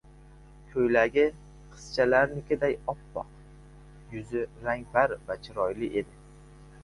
Koʻylagi qizchalarnikiday oppoq, yuzi rangpar va chiroyli edi.